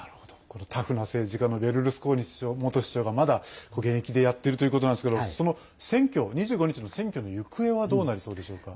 タフな政治家のベルルスコーニ元首相がまだ現役でやっているということですけど２５日の選挙の行方はどうなりそうでしょうか。